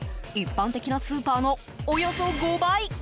一般的なスーパーのおよそ５倍。